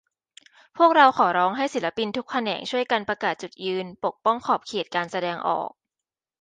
พวกเราขอร้องให้ศิลปินทุกแขนง ช่วยกันประกาศจุดยืน ปกป้องขอบเขตการแสดงออก